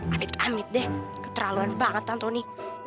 amit amit deh keterlaluan banget antoni